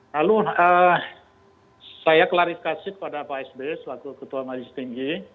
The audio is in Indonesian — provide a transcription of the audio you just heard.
lalu saya klarifikasi kepada pak s b selaku ketua majlis tinggi